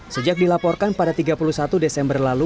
sejak dilaporkan pada tiga puluh satu desember lalu